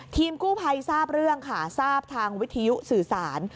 ทีมกู้ภัยทราบเรื่องค่ะทราบทางวิทยุสื่อสาร